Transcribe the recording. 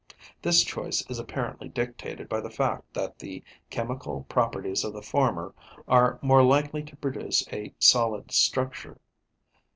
This choice is apparently dictated by the fact that the chemical properties of the former are more likely to produce a solid structure.